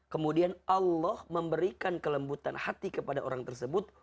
kemudian allah memberikan kelembutan hati kepada orang tersebut